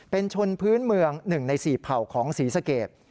เป็นชนพื้นเมือง๑ใน๔เผ่าของศรีสเกต